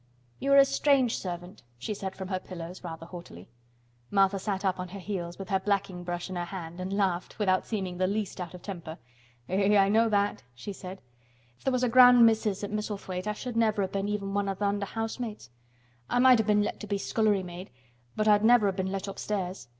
"You are a strange servant," she said from her pillows, rather haughtily. Martha sat up on her heels, with her blacking brush in her hand, and laughed, without seeming the least out of temper. "Eh! I know that," she said. "If there was a grand Missus at Misselthwaite I should never have been even one of th' under housemaids. I might have been let to be scullerymaid but I'd never have been let upstairs.